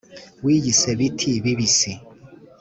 wiyise biti bibisi